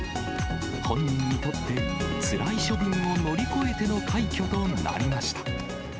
本人にとってつらい処分を乗り越えての快挙となりました。